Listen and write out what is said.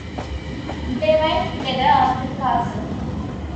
They went together up to the Castle.